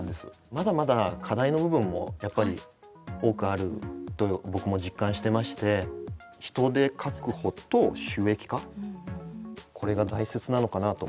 まだまだ課題の部分もやっぱり多くあると僕も実感してまして人手確保と収益化これが大切なのかなと思いました。